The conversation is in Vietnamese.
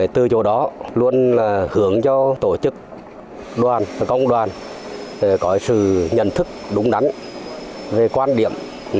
từ chỗ đó luôn là hướng cho tổ chức đoàn công đoàn có sự nhận thức đúng đắn về quan điểm